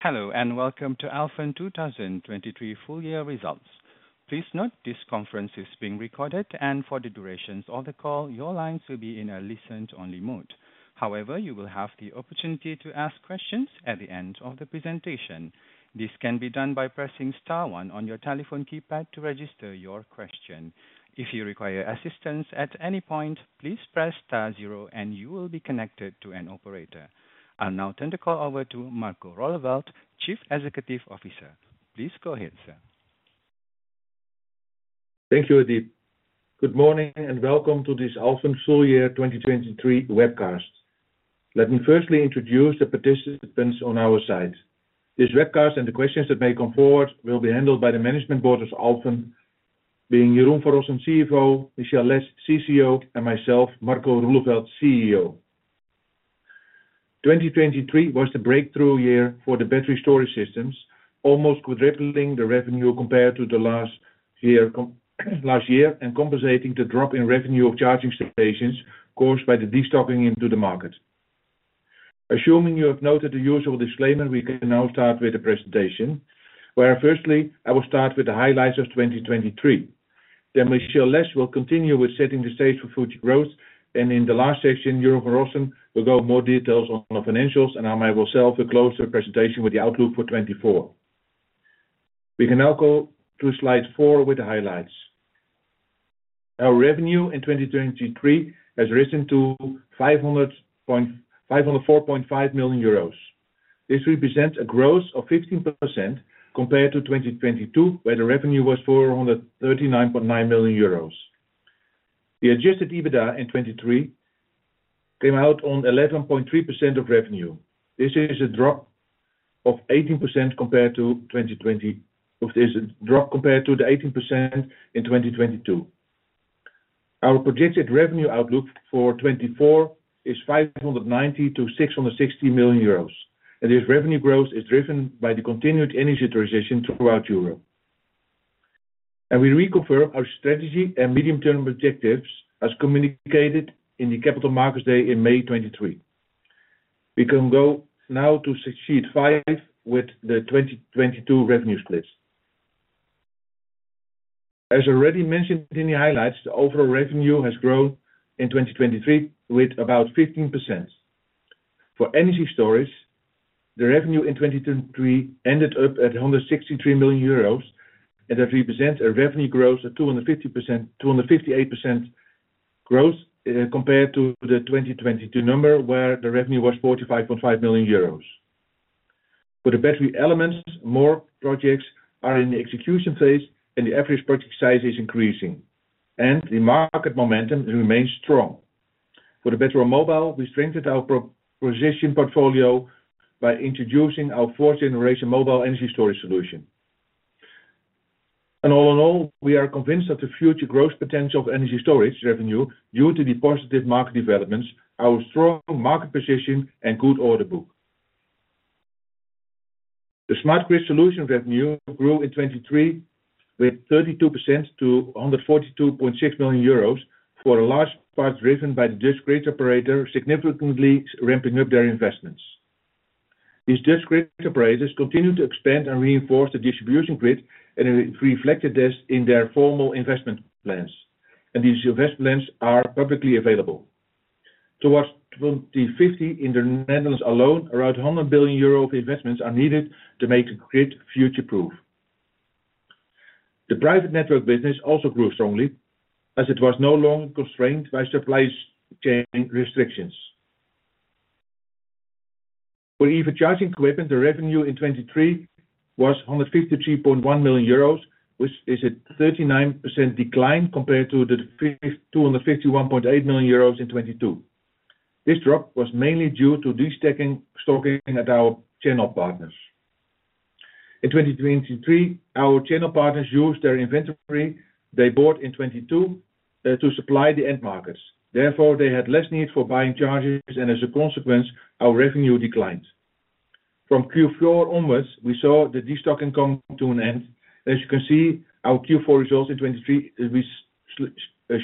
Hello and welcome to Alfen 2023 full-year results. Please note this conference is being recorded, and for the duration of the call your lines will be in a listen-only mode. However, you will have the opportunity to ask questions at the end of the presentation. This can be done by pressing star 1 on your telephone keypad to register your question. If you require assistance at any point, please press star 0 and you will be connected to an operator. I'll now turn the call over to Marco Roeleveld, Chief Executive Officer. Please go ahead, sir. Thank you, Adeep. Good morning and welcome to this Alfen full-year 2023 webcast. Let me firstly introduce the participants on our side. This webcast and the questions that may come forward will be handled by the management board of Alfen, being Jeroen van Rossen, CFO, Michelle Lesh, CCO, and myself, Marco Roeleveld, CEO. 2023 was the breakthrough year for the battery storage systems, almost quadrupling the revenue compared to the last year and compensating the drop in revenue of charging stations caused by the destocking into the market. Assuming you have noted the usual disclaimer, we can now start with the presentation, where firstly I will start with the highlights of 2023. Then Michelle Lesh will continue with setting the stage for future growth, and in the last section Jeroen van Rossen, we'll go more details on the financials and I might myself close the presentation with the outlook for 2024. We can now go to slide four with the highlights. Our revenue in 2023 has risen to 504.5 million euros. This represents a growth of 15% compared to 2022, where the revenue was 439.9 million euros. The adjusted EBITDA in 2023 came out on 11.3% of revenue. This is a drop of 18% compared to 2020, which is a drop compared to the 18% in 2022. Our projected revenue outlook for 2024 is 590 million-660 million euros, and this revenue growth is driven by the continued energy transition throughout Europe. We reconfirm our strategy and medium-term objectives as communicated in the Capital Markets Day in May 2023. We can go now to slide five with the 2022 revenue splits. As already mentioned in the highlights, the overall revenue has grown in 2023 with about 15%. For energy storage, the revenue in 2023 ended up at 163 million euros, and that represents a revenue growth of 258% growth compared to the 2022 number where the revenue was 45.5 million euros. For the battery elements, more projects are in the execution phase and the average project size is increasing, and the market momentum remains strong. For the battery mobile, we strengthened our position portfolio by introducing our fourth-generation mobile energy storage solution. All in all, we are convinced that the future growth potential of energy storage revenue due to the positive market developments, our strong market position, and good order book. The Smart Grid Solutions revenue grew in 2023 with 32% to 142.6 million euros, for a large part driven by the Dutch grid operator significantly ramping up their investments. These Dutch grid operators continue to expand and reinforce the distribution grid and reflect this in their formal investment plans, and these investment plans are publicly available. Towards 2050 in the Netherlands alone, around 100 billion euro of investments are needed to make the grid future-proof. The private network business also grew strongly, as it was no longer constrained by supply chain restrictions. For EV charging equipment, the revenue in 2023 was 153.1 million euros, which is a 39% decline compared to the 251.8 million euros in 2022. This drop was mainly due to destocking at our channel partners. In 2023, our channel partners used their inventory they bought in 2022 to supply the end markets. Therefore, they had less need for buying chargers, and as a consequence, our revenue declined. From Q4 onwards, we saw the destocking come to an end. As you can see, our Q4 results in 2023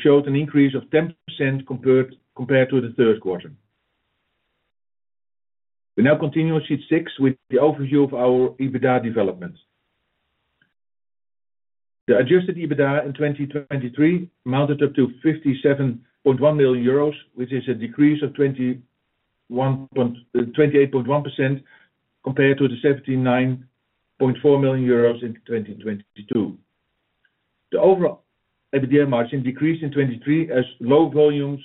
showed an increase of 10% compared to the Q3. We now continue on sheet 6 with the overview of our EBITDA developments. The adjusted EBITDA in 2023 mounted up to 57.1 million euros, which is a decrease of 28.1% compared to the 79.4 million euros in 2022. The overall EBITDA margin decreased in 2023 as low volumes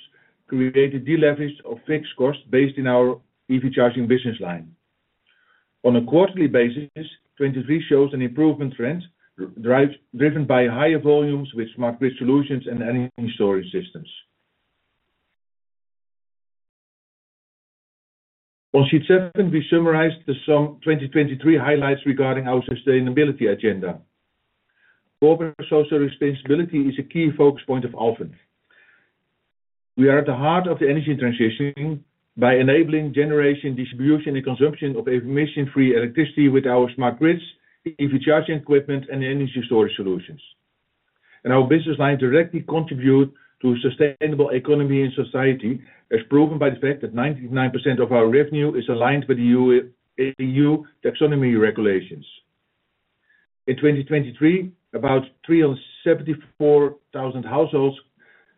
created de-leverage of fixed costs based in our EV charging business line. On a quarterly basis, 2023 shows an improvement trend driven by higher volumes with Smart Grid Solutions and energy storage systems. On sheet 7, we summarized some 2023 highlights regarding our sustainability agenda. Corporate social responsibility is a key focus point of Alfen. We are at the heart of the energy transition by enabling generation, distribution, and consumption of emission-free electricity with our Smart Grids, EV charging equipment, and energy storage solutions. Our business line directly contributes to a sustainable economy in society, as proven by the fact that 99% of our revenue is aligned with the EU Taxonomy regulations. In 2023, about 374,000 households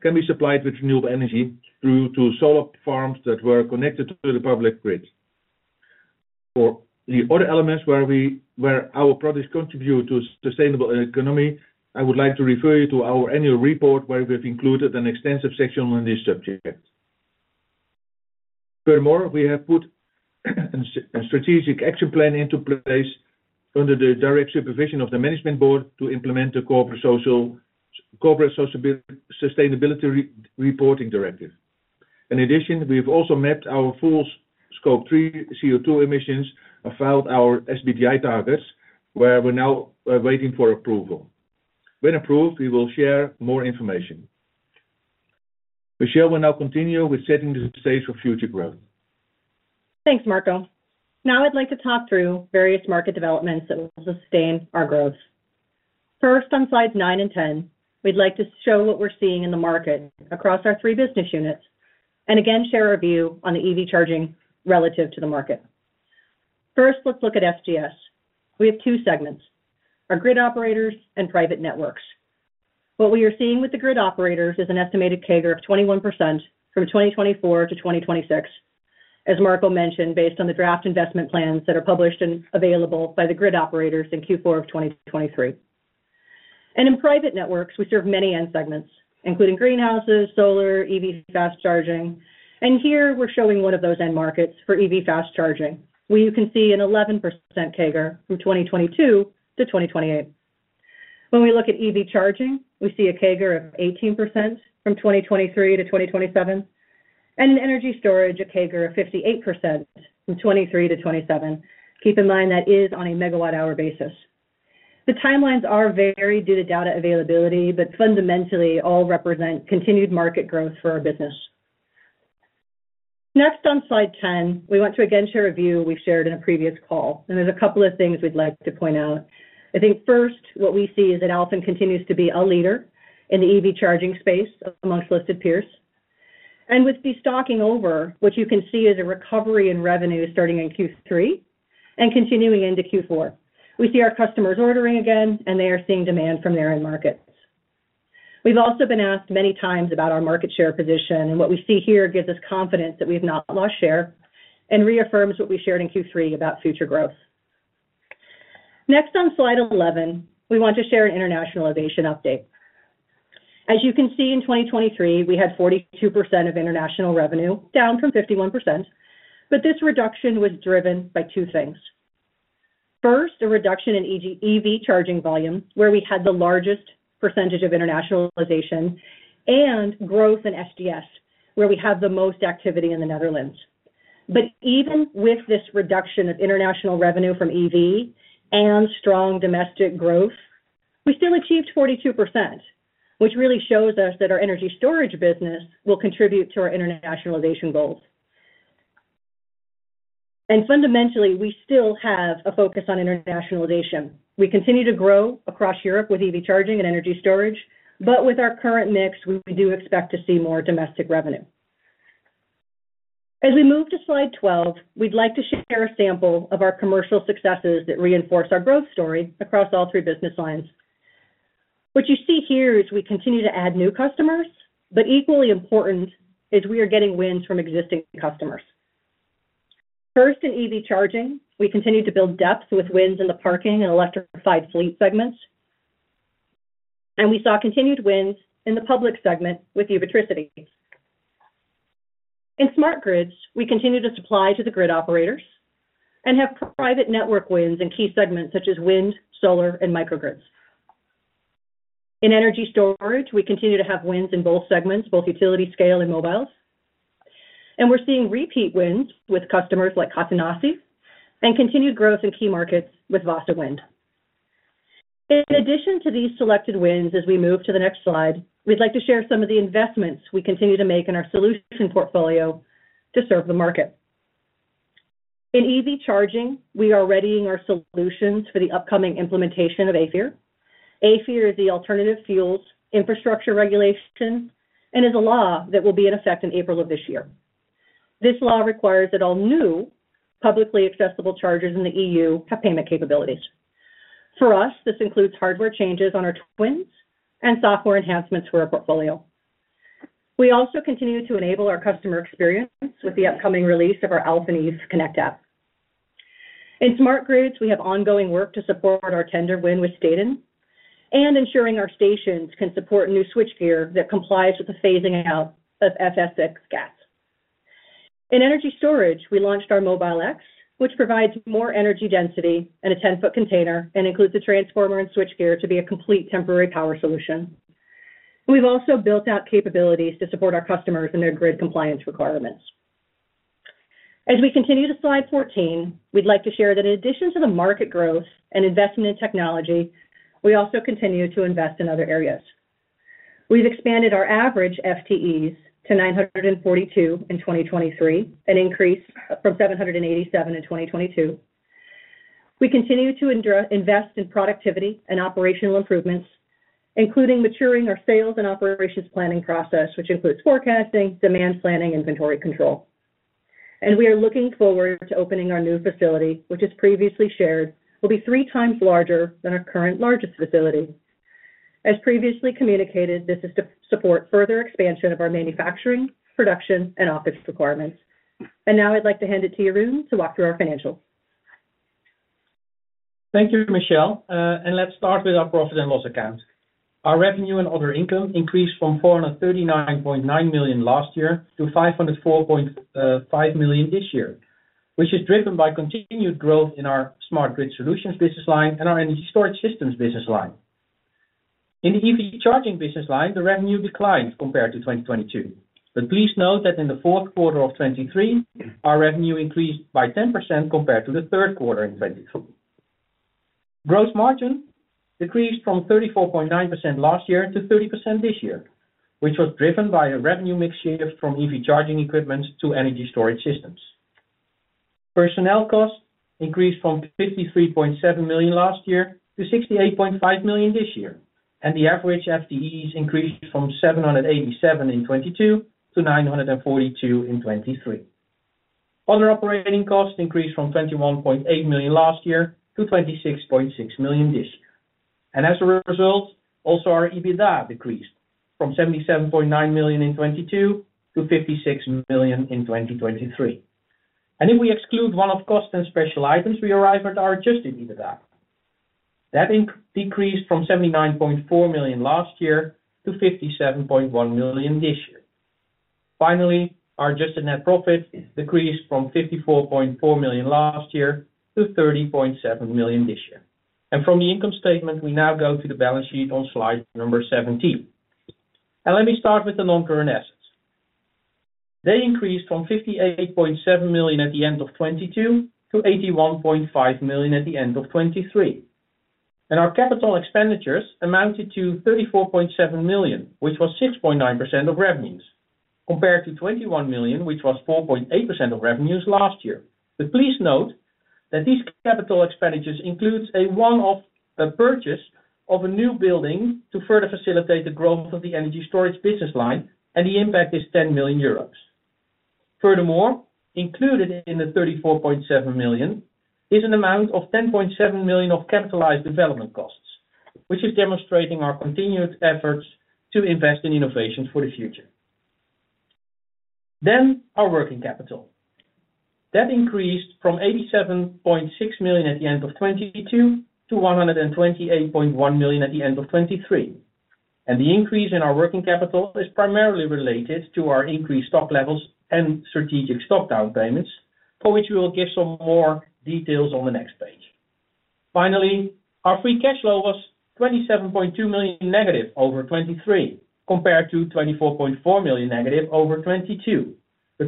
can be supplied with renewable energy through two solar farms that were connected to the public grid. For the other elements where our products contribute to a sustainable economy, I would like to refer you to our annual report where we've included an extensive section on this subject. Furthermore, we have put a strategic action plan into place under the direct supervision of the management board to implement the Corporate Sustainability Reporting Directive. In addition, we've also mapped our full Scope 3 CO2 emissions and filed our SBTi targets, where we're now waiting for approval. When approved, we will share more information. Michelle will now continue with setting the stage for future growth. Thanks, Marco. Now I'd like to talk through various market developments that will sustain our growth. First, on slides 9 and 10, we'd like to show what we're seeing in the market across our three business units and again share a view on the EV charging relative to the market. First, let's look at SGS. We have two segments: our grid operators and private networks. What we are seeing with the grid operators is an estimated CAGR of 21% from 2024 to 2026, as Marco mentioned, based on the draft investment plans that are published and available by the grid operators in Q4 of 2023. In private networks, we serve many end segments, including greenhouses, solar, EV fast charging. Here we're showing one of those end markets for EV fast charging. You can see an 11% CAGR from 2022 to 2028. When we look at EV charging, we see a CAGR of 18% from 2023 to 2027, and energy storage, a CAGR of 58% from 2023 to 2027. Keep in mind that is on a MW-hour basis. The timelines are varied due to data availability, but fundamentally all represent continued market growth for our business. Next, on slide 10, we want to again share a view we've shared in a previous call, and there's a couple of things we'd like to point out. I think first, what we see is that Alfen continues to be a leader in the EV charging space amongst listed peers. And with destocking over, what you can see is a recovery in revenue starting in Q3 and continuing into Q4. We see our customers ordering again, and they are seeing demand from their end markets. We've also been asked many times about our market share position, and what we see here gives us confidence that we've not lost share and reaffirms what we shared in Q3 about future growth. Next, on slide 11, we want to share an internationalization update. As you can see, in 2023, we had 42% of international revenue, down from 51%, but this reduction was driven by two things. First, a reduction in EV charging volume, where we had the largest percentage of internationalization, and growth in SGS, where we have the most activity in the Netherlands. But even with this reduction of international revenue from EV and strong domestic growth, we still achieved 42%, which really shows us that our energy storage business will contribute to our internationalization goals. And fundamentally, we still have a focus on internationalization. We continue to grow across Europe with EV charging and energy storage, but with our current mix, we do expect to see more domestic revenue. As we move to slide 12, we'd like to share a sample of our commercial successes that reinforce our growth story across all three business lines. What you see here is we continue to add new customers, but equally important is we are getting wins from existing customers. First, in EV charging, we continue to build depth with wins in the parking and electrified fleet segments. We saw continued wins in the public segment with EVC. In Smart Grids, we continue to supply to the grid operators and have private network wins in key segments such as wind, solar, and microgrids. In energy storage, we continue to have wins in both segments, both utility-scale and mobiles. We're seeing repeat wins with customers like Katoen Natie and continued growth in key markets with Vasa Vind. In addition to these selected wins, as we move to the next slide, we'd like to share some of the investments we continue to make in our solution portfolio to serve the market. In EV charging, we are readying our solutions for the upcoming implementation of AFIR. AFIR is the Alternative Fuels Infrastructure Regulation and is a law that will be in effect in April of this year. This law requires that all new publicly accessible chargers in the EU have payment capabilities. For us, this includes hardware changes on our twins and software enhancements for our portfolio. We also continue to enable our customer experience with the upcoming release of our Alfen EV Connect App. In Smart Grids, we have ongoing work to support our tender win with Stedin and ensuring our stations can support new switchgear that complies with the phasing out of SF6 gas. In energy storage, we launched our Mobile X, which provides more energy density in a 10-foot container and includes a transformer and switchgear to be a complete temporary power solution. We've also built out capabilities to support our customers and their grid compliance requirements. As we continue to slide 14, we'd like to share that in addition to the market growth and investment in technology, we also continue to invest in other areas. We've expanded our average FTEs to 942 in 2023, an increase from 787 in 2022. We continue to invest in productivity and operational improvements, including maturing our sales and operations planning process, which includes forecasting, demand planning, inventory control. We are looking forward to opening our new facility, which, as previously shared, will be three times larger than our current largest facility. As previously communicated, this is to support further expansion of our manufacturing, production, and office requirements. Now I'd like to hand it to Jeroen to walk through our financials. Thank you, Michelle. Let's start with our profit and loss account. Our revenue and other income increased from 439.9 million last year to 504.5 million this year, which is driven by continued growth in our Smart Grid solutions business line and our energy storage systems business line. In the EV charging business line, the revenue declined compared to 2022. Please note that in the fourth quarter of 2023, our revenue increased by 10% compared to the Q3 in 2023. Gross margin decreased from 34.9% last year to 30% this year, which was driven by a revenue mix shift from EV charging equipment to energy storage systems. Personnel cost increased from 53.7 million last year to 68.5 million this year, and the average FTEs increased from 787 in 2022 to 942 in 2023. Other operating costs increased from 21.8 million last year to 26.6 million this year. As a result, also our EBITDA decreased from 77.9 million in 2022 to 56 million in 2023. If we exclude one-off costs and special items, we arrive at our adjusted EBITDA. That decreased from 79.4 million last year to 57.1 million this year. Finally, our adjusted net profit decreased from 54.4 million last year to 30.7 million this year. From the income statement, we now go to the balance sheet on slide number 17. Let me start with the non-current assets. They increased from 58.7 million at the end of 2022 to 81.5 million at the end of 2023. Our capital expenditures amounted to 34.7 million, which was 6.9% of revenues, compared to 21 million, which was 4.8% of revenues last year. But please note that these capital expenditures include a one-off purchase of a new building to further facilitate the growth of the energy storage business line, and the impact is 10 million euros. Furthermore, included in the 34.7 million is an amount of 10.7 million of capitalized development costs, which is demonstrating our continued efforts to invest in innovations for the future. Then our working capital. That increased from 87.6 million at the end of 2022 to 128.1 million at the end of 2023. And the increase in our working capital is primarily related to our increased stock levels and strategic stockdown payments, for which we will give some more details on the next page. Finally, our free cash flow was negative 27.2 million over 2023 compared to negative 24.4 million over 2022.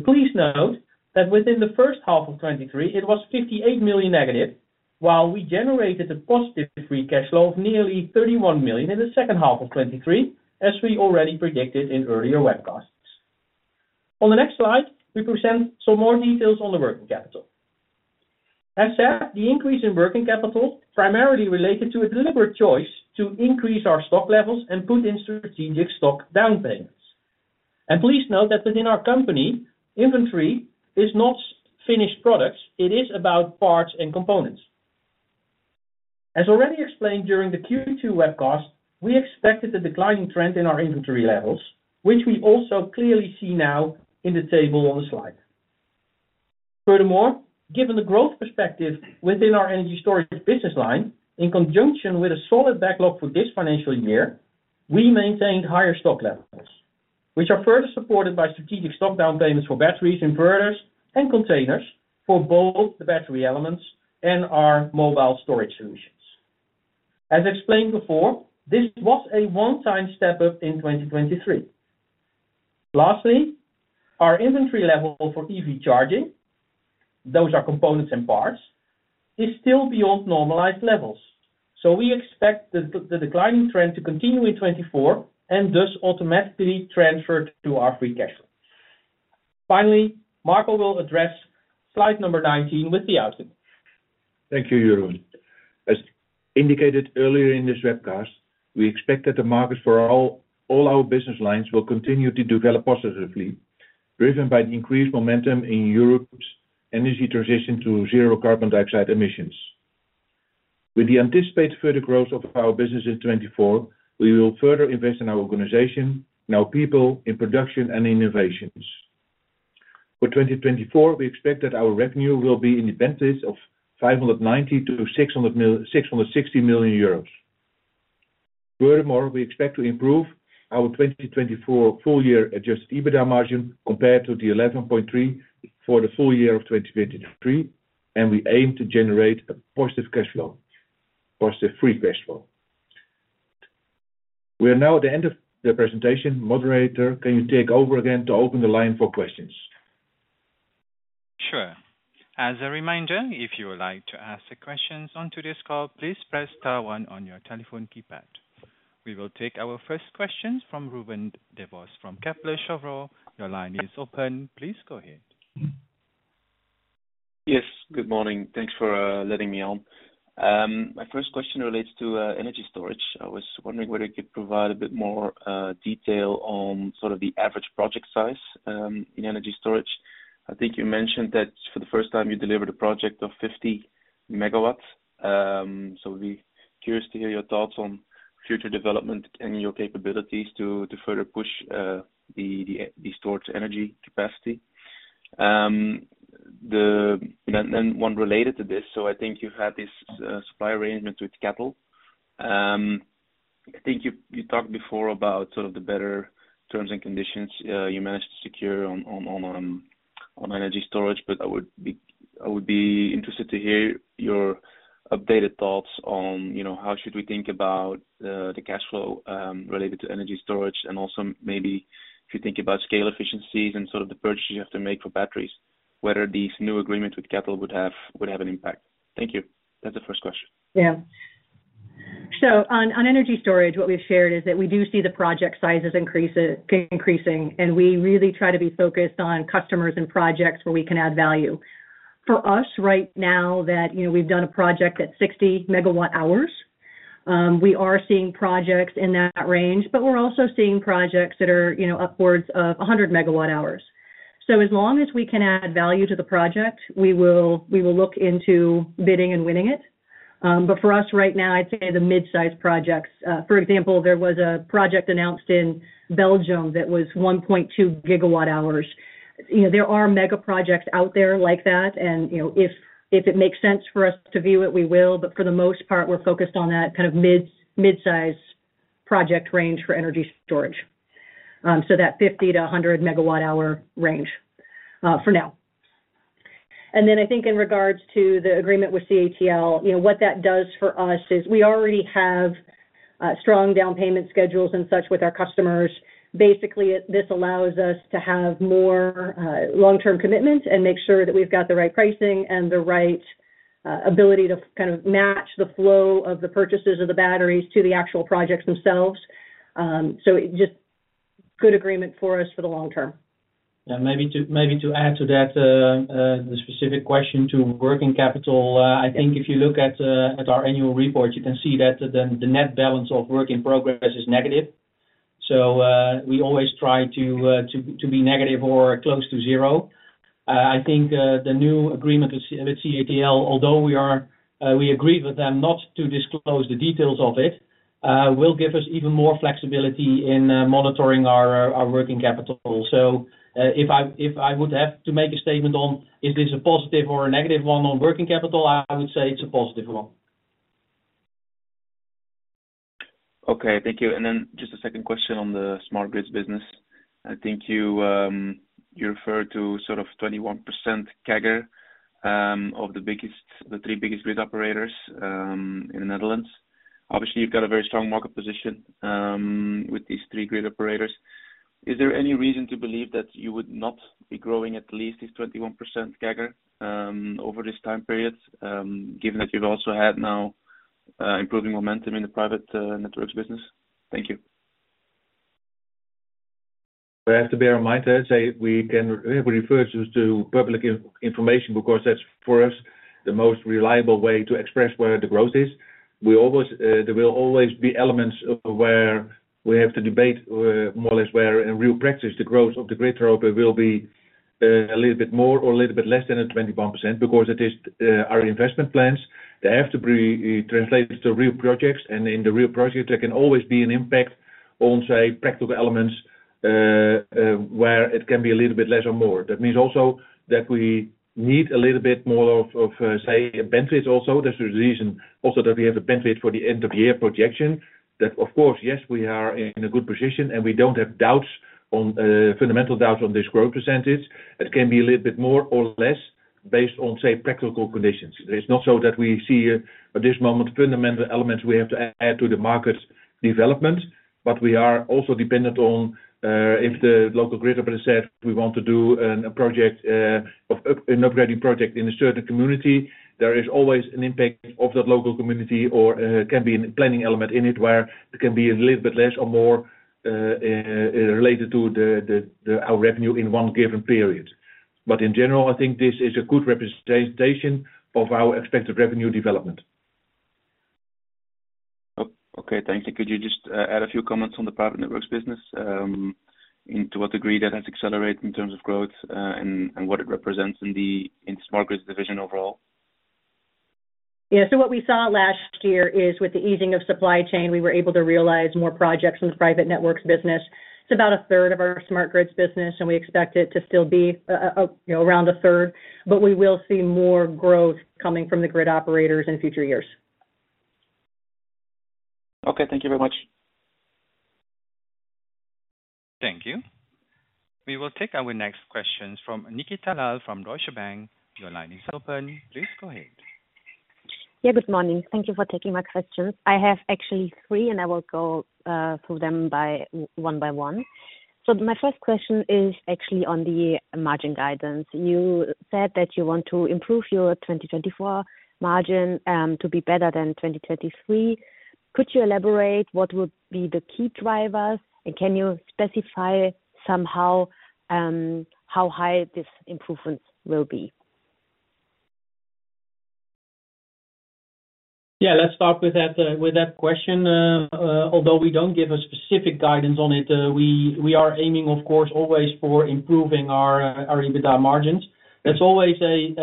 Please note that within the first half of 2023, it was negative 58 million, while we generated a positive free cash flow of nearly 31 million in the H2 of 2023, as we already predicted in earlier webcasts. On the next slide, we present some more details on the working capital. As said, the increase in working capital is primarily related to a deliberate choice to increase our stock levels and put in strategic stock down payments. Please note that within our company, inventory is not finished products. It is about parts and components. As already explained during the Q2 webcast, we expected a declining trend in our inventory levels, which we also clearly see now in the table on the slide. Furthermore, given the growth perspective within our energy storage business line, in conjunction with a solid backlog for this financial year, we maintained higher stock levels, which are further supported by strategic down payments for batteries, inverters, and containers for both the battery elements and our mobile storage solutions. As explained before, this was a one-time step up in 2023. Lastly, our inventory level for EV charging, those are components and parts, is still beyond normalized levels. So we expect the declining trend to continue in 2024 and thus automatically transfer to our free cash flow. Finally, Marco will address slide number 19 with the output. Thank you, Jeroen. As indicated earlier in this webcast, we expect that the markets for all our business lines will continue to develop positively, driven by the increased momentum in Europe's energy transition to zero carbon dioxide emissions. With the anticipated further growth of our business in 2024, we will further invest in our organization, in our people, in production, and in innovations. For 2024, we expect that our revenue will be in the benefits of 590 million-660 million euros. Furthermore, we expect to improve our 2024 full-year adjusted EBITDA margin compared to the 11.3% for the full year of 2023, and we aim to generate a positive cash flow, positive free cash flow. We are now at the end of the presentation. Moderator, can you take over again to open the line for questions? Sure. As a reminder, if you would like to ask questions on today's call, please press star one on your telephone keypad. We will take our first questions from Ruben Devos from Kepler Cheuvreux. Your line is open. Please go ahead. Yes. Good morning. Thanks for letting me on. My first question relates to energy storage. I was wondering whether you could provide a bit more detail on sort of the average project size in energy storage. I think you mentioned that for the first time, you delivered a project of 50 MWs. So we'd be curious to hear your thoughts on future development and your capabilities to further push the stored energy capacity. And then one related to this, so I think you've had this supply arrangement with CATL. I think you talked before about sort of the better terms and conditions you managed to secure on energy storage, but I would be interested to hear your updated thoughts on how should we think about the cash flow related to energy storage, and also maybe if you think about scale efficiencies and sort of the purchase you have to make for batteries, whether this new agreement with CATL would have an impact. Thank you. That's the first question. Yeah. So on energy storage, what we've shared is that we do see the project sizes increasing, and we really try to be focused on customers and projects where we can add value. For us right now, we've done a project at 60 MWh. We are seeing projects in that range, but we're also seeing projects that are upwards of 100 MWh. So as long as we can add value to the project, we will look into bidding and winning it. But for us right now, I'd say the midsize projects for example, there was a project announced in Belgium that was 1.2 GWh. There are mega projects out there like that, and if it makes sense for us to view it, we will. But for the most part, we're focused on that kind of midsize project range for energy storage, so that 50-100 MWh range for now. And then I think in regards to the agreement with CATL, what that does for us is we already have strong down payment schedules and such with our customers. Basically, this allows us to have more long-term commitments and make sure that we've got the right pricing and the right ability to kind of match the flow of the purchases of the batteries to the actual projects themselves. So just good agreement for us for the long term. Maybe to add to that, the specific question to working capital, I think if you look at our annual report, you can see that the net balance of work in progress is negative. So we always try to be negative or close to zero. I think the new agreement with CATL, although we agreed with them not to disclose the details of it, will give us even more flexibility in monitoring our working capital. So if I would have to make a statement on is this a positive or a negative one on working capital, I would say it's a positive one. Okay. Thank you. And then just a second question on the Smart Grids business. I think you referred to sort of 21% CAGR of the three biggest grid operators in the Netherlands. Obviously, you've got a very strong market position with these three grid operators. Is there any reason to believe that you would not be growing at least this 21% CAGR over this time period, given that you've also had now improving momentum in the private networks business? Thank you. I have to bear in mind, I'd say we refer to public information because that's for us the most reliable way to express where the growth is. There will always be elements where we have to debate more or less where in real practice, the growth of the grid load will be a little bit more or a little bit less than 21% because it is our investment plans. They have to be translated to real projects, and in the real projects, there can always be an impact on, say, practical elements where it can be a little bit less or more. That means also that we need a little bit more of, say, benefits also. That's the reason also that we have a benefit for the end-of-year projection. Of course, yes, we are in a good position, and we don't have doubts, fundamental doubts on this growth percentage. It can be a little bit more or less based on, say, practical conditions. It's not so that we see at this moment fundamental elements we have to add to the market development, but we are also dependent on if the local grid operator said we want to do an upgrading project in a certain community, there is always an impact of that local community or can be a planning element in it where it can be a little bit less or more related to our revenue in one given period. But in general, I think this is a good representation of our expected revenue development. Okay. Thank you. Could you just add a few comments on the private networks business, into what degree that has accelerated in terms of growth and what it represents in Smart Grids division overall? Yeah. So what we saw last year is, with the easing of supply chain, we were able to realize more projects in the private networks business. It's about a third of our Smart Grids business, and we expect it to still be around a third. But we will see more growth coming from the grid operators in future years. Okay. Thank you very much. Thank you. We will take our next questions from Nikita Lal from Deutsche Bank. Your line is open. Please go ahead. Yeah. Good morning. Thank you for taking my questions. I have actually three, and I will go through them one by one. My first question is actually on the margin guidance. You said that you want to improve your 2024 margin to be better than 2023. Could you elaborate what would be the key drivers, and can you specify somehow how high this improvement will be? Yeah. Let's start with that question. Although we don't give a specific guidance on it, we are aiming, of course, always for improving our EBITDA margins. There's always an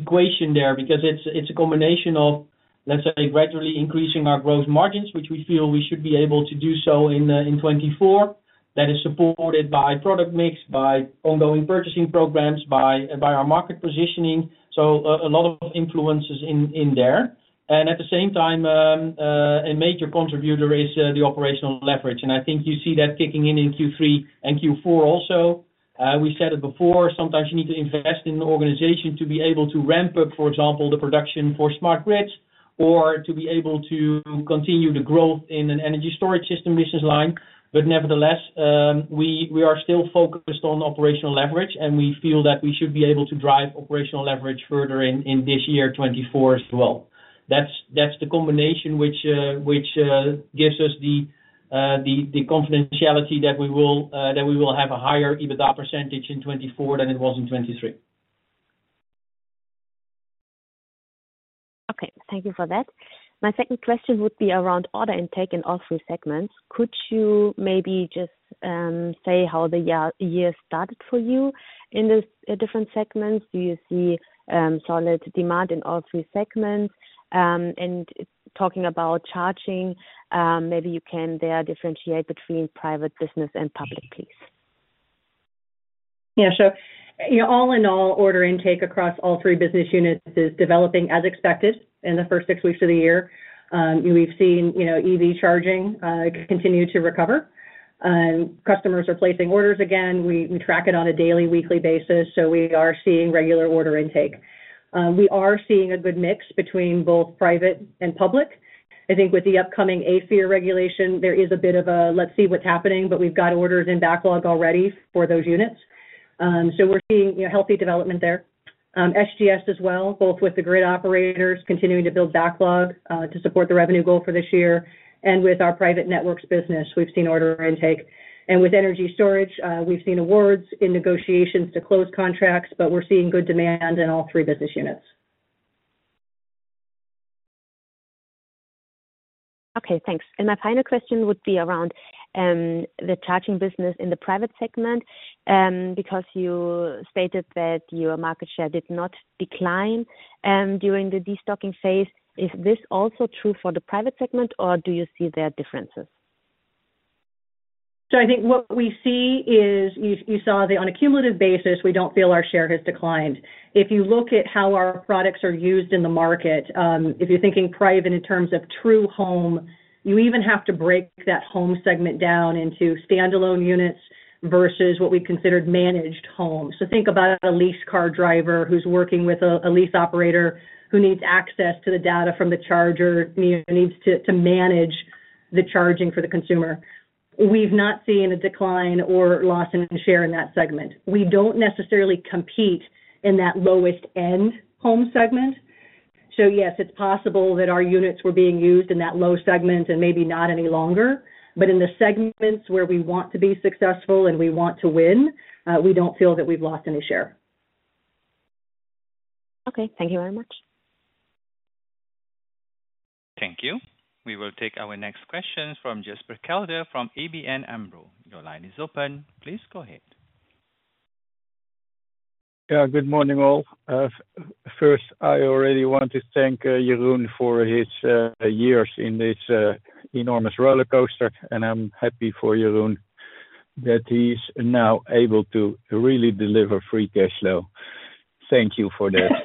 equation there because it's a combination of, let's say, gradually increasing our growth margins, which we feel we should be able to do so in 2024. That is supported by product mix, by ongoing purchasing programs, by our market positioning. So a lot of influences in there. And at the same time, a major contributor is the operational leverage. And I think you see that kicking in in Q3 and Q4 also. We said it before. Sometimes you need to invest in an organization to be able to ramp up, for example, the production for Smart Grids or to be able to continue the growth in an energy storage system business line. But nevertheless, we are still focused on operational leverage, and we feel that we should be able to drive operational leverage further in this year, 2024 as well. That's the combination which gives us the confidentiality that we will have a higher EBITDA percentage in 2024 than it was in 2023. Okay. Thank you for that. My second question would be around order intake in all three segments. Could you maybe just say how the year started for you in the different segments? Do you see solid demand in all three segments? And talking about charging, maybe you can there differentiate between private business and public, please. Yeah. Sure. All in all, order intake across all three business units is developing as expected in the first six weeks of the year. We've seen EV charging continue to recover. Customers are placing orders again. We track it on a daily, weekly basis. So we are seeing regular order intake. We are seeing a good mix between both private and public. I think with the upcoming AFIR regulation, there is a bit of a, "Let's see what's happening," but we've got orders in backlog already for those units. So we're seeing healthy development there. SGS as well, both with the grid operators continuing to build backlog to support the revenue goal for this year. And with our private networks business, we've seen order intake. And with energy storage, we've seen awards in negotiations to close contracts, but we're seeing good demand in all three business units. Okay. Thanks. My final question would be around the charging business in the private segment because you stated that your market share did not decline during the destocking phase. Is this also true for the private segment, or do you see any differences? So I think what we see is you saw that on a cumulative basis, we don't feel our share has declined. If you look at how our products are used in the market, if you're thinking private in terms of true home, you even have to break that home segment down into standalone units versus what we considered managed homes. So think about a leased car driver who's working with a lease operator who needs access to the data from the charger, needs to manage the charging for the consumer. We've not seen a decline or loss in share in that segment. We don't necessarily compete in that lowest-end home segment. So yes, it's possible that our units were being used in that low segment and maybe not any longer. In the segments where we want to be successful and we want to win, we don't feel that we've lost any share. Okay. Thank you very much. Thank you. We will take our next questions from Thijs Berkelder from ABN AMRO. Your line is open. Please go ahead. Yeah. Good morning, all. First, I already want to thank Jeroen for his years in this enormous roller coaster. I'm happy for Jeroen that he's now able to really deliver free cash flow. Thank you for that.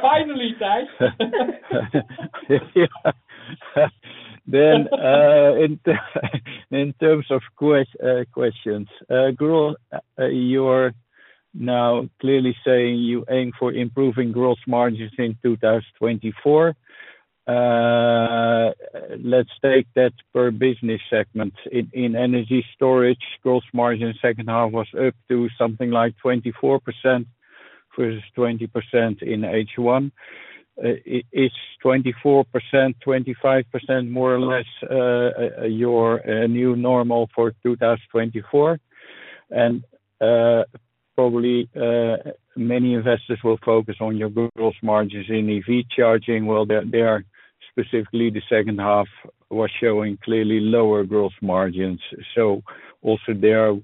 Finally, Thijs. Yeah. Then in terms of questions, Jeroen, you're now clearly saying you aim for improving gross margins in 2024. Let's take that per business segment. In energy storage, gross margin H2 was up to something like 24% versus 20% in H1. Is 24%-25% more or less your new normal for 2024? And probably many investors will focus on your gross margins in EV charging. Well, there specifically, the H2 was showing clearly lower gross margins. So also there,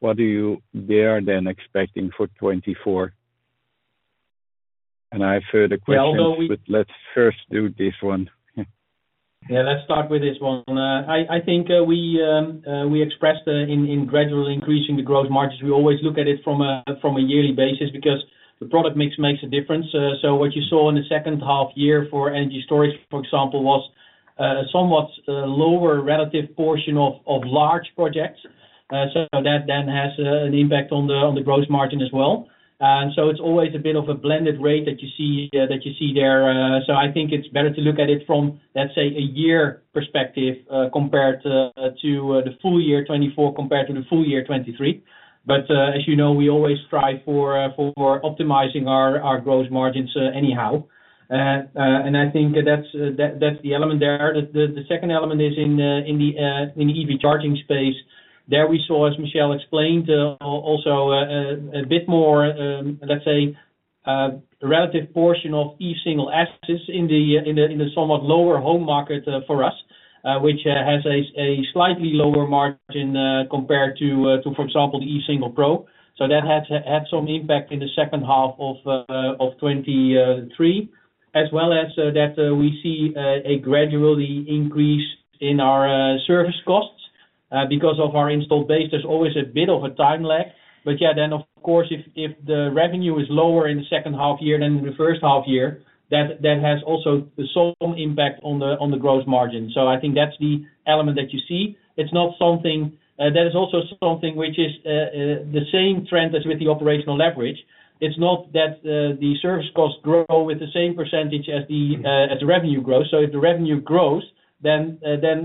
what are you there then expecting for 2024? And I have further questions, but let's first do this one. Yeah. Let's start with this one. I think we expressed in gradually increasing the gross margins, we always look at it from a yearly basis because the product mix makes a difference. So what you saw in the H2 year for energy storage, for example, was a somewhat lower relative portion of large projects. So that then has an impact on the gross margin as well. And so it's always a bit of a blended rate that you see there. So I think it's better to look at it from, let's say, a year perspective compared to the full year 2024 compared to the full year 2023. But as you know, we always strive for optimizing our gross margins anyhow. And I think that's the element there. The second element is in the EV charging space. There we saw, as Michelle explained, also a bit more, let's say, relative portion of Eve Single assets in the somewhat lower home market for us, which has a slightly lower margin compared to, for example, the Eve Single Pro. So that had some impact in the H2 of 2023 as well as that we see a gradually increase in our service costs because of our installed base. There's always a bit of a time lag. But yeah, then, of course, if the revenue is lower in the H2 year than in the first half year, that has also some impact on the gross margin. So I think that's the element that you see. It's not something that is also something which is the same trend as with the operational leverage. It's not that the service costs grow with the same percentage as the revenue grows. So if the revenue grows, then,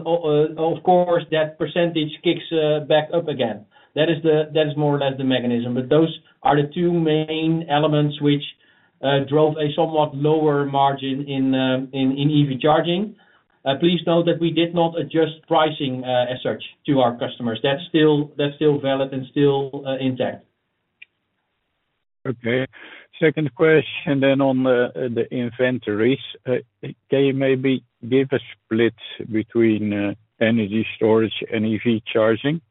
of course, that percentage kicks back up again. That is more or less the mechanism. But those are the two main elements which drove a somewhat lower margin in EV charging. Please note that we did not adjust pricing as such to our customers. That's still valid and still intact. Okay. Second question then on the inventories. Can you maybe give a split between energy storage and EV charging?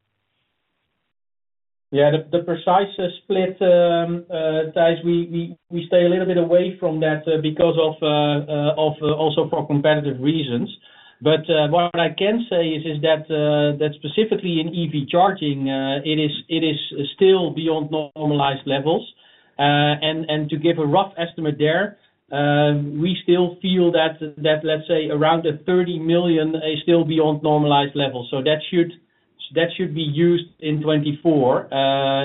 Yeah. The precise split, Thijs, we stay a little bit away from that because of also for competitive reasons. But what I can say is that specifically in EV charging, it is still beyond normalized levels. And to give a rough estimate there, we still feel that, let's say, around 30 million is still beyond normalized levels. So that should be used in 2024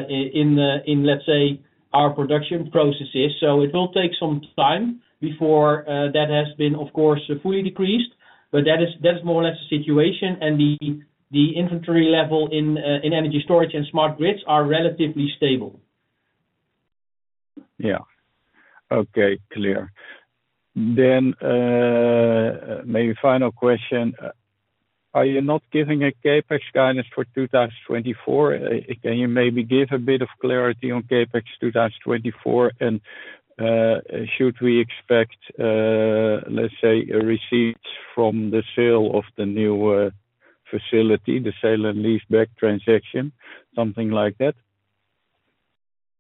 in, let's say, our production processes. So it will take some time before that has been, of course, fully decreased. But that is more or less the situation. And the inventory level in energy storage and smart grids are relatively stable. Yeah. Okay. Clear. Then maybe final question. Are you not giving a CapEx guidance for 2024? Can you maybe give a bit of clarity on CapEx 2024? And should we expect, let's say, a receipt from the sale of the new facility, the sale and lease-back transaction, something like that?